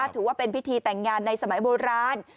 ถือว่าเป็นพิธีแต่งงานในสมัยโบราณ